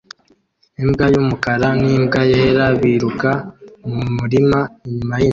Imbwa y'umukara n'imbwa yera biruka mu murima inyuma y'inzu